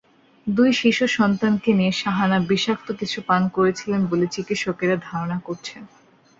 দুই শিশুসন্তানকে নিয়ে শাহানা বিষাক্ত কিছু পান করেছিলেন বলে চিকিৎসকেরা ধারণা করছেন।